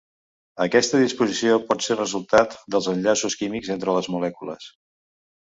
Aquesta disposició pot ser resultat dels enllaços químics entre les molècules.